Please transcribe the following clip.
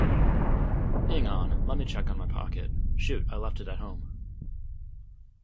Hang on, let me check on my pocket. Shoot, I left it at home.